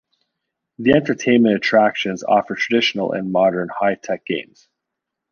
The entertainment attractions offer traditional and modern, high-tech games.